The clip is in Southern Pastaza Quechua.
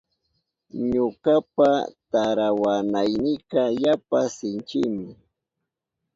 Ñukapa tarawanaynika yapa sinchimi.